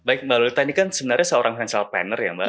baik mbak lolita ini kan sebenarnya seorang finsal planner ya mbak